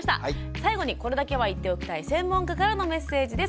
最後にこれだけは言っておきたい専門家からのメッセージです。